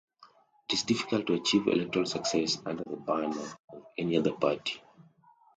It is difficult to achieve electoral success under the banner of any other party.